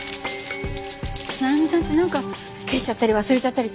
成実さんってなんか消しちゃったり忘れちゃったり